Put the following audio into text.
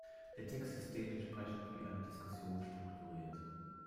Der Text ist dementsprechend wie eine Diskussion strukturiert.